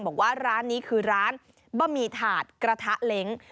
บอกว่าร้านนี้คือร้านบะหมี่ถาดกระทะเล้ง